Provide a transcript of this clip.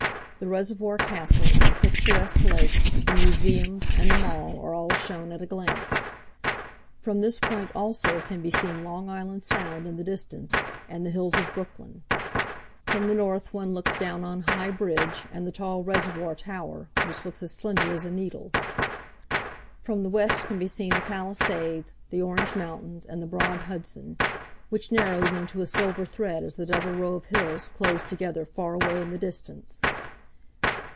The reservoir castle and the picturesque lake, the museums, and the mall are all shown at a glance. From this point also can be seen Long Island Sound in the distance, and the hills of Brooklyn. From the north one looks down on High Bridge and the tall reservoir tower, which looks as slender as a needle. From the west can be seen the Palisades, the Orange Mountains, and the broad Hudson, which narrows into a silver thread as the double row of hills close together far away in the distance.